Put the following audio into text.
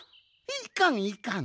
いかんいかん。